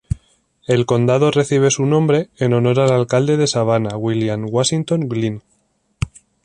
El condado recibe su nombre en honor al alcalde de Savannah William Washington Glynn.